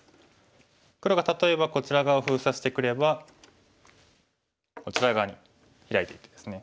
黒が例えばこちら側封鎖してくればこちら側にヒラいていってですね。